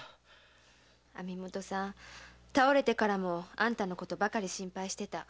⁉網元さん倒れてからもあんたのことばかり心配してた。